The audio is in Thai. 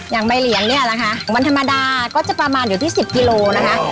อย่างใบเหลียงเนี่ยนะคะวันธรรมดาก็จะประมาณอยู่ที่๑๐กิโลนะคะ